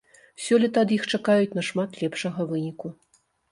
Сёлета ад іх чакаюць нашмат лепшага выніку.